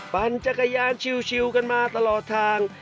ปั่นจักรยานชิวกันมาตลอดทาง